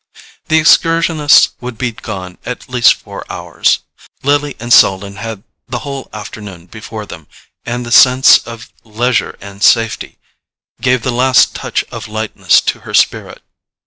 The excursionists would be gone at least four hours; Lily and Selden had the whole afternoon before them, and the sense of leisure and safety gave the last touch of lightness to her spirit.